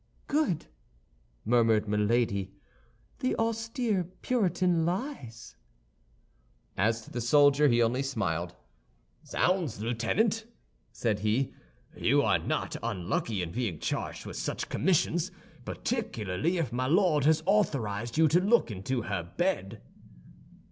"Good!" murmured Milady; "the austere Puritan lies." As to the soldier, he only smiled. "Zounds, Lieutenant!" said he; "you are not unlucky in being charged with such commissions, particularly if my Lord has authorized you to look into her bed."